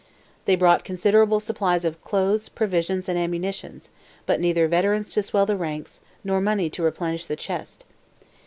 They brought considerable supplies of clothes, provisions, and ammunitions, but neither veterans to swell the ranks, nor money to replenish the chest.